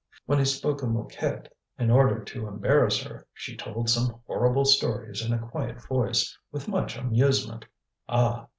When he spoke of Mouquette, in order to embarrass her, she told some horrible stories in a quiet voice, with much amusement. Ah!